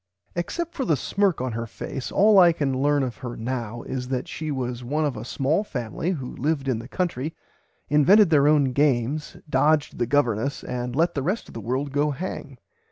Except for the smirk on her face, all I can learn of her now is that she was one of [Pg viii] a small family who lived in the country, invented their own games, dodged the governess and let the rest of the world go hang.